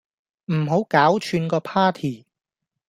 唔好搞串個 party